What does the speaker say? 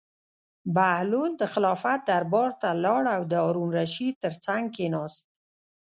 بهلول د خلافت دربار ته لاړ او د هارون الرشید تر څنګ کېناست.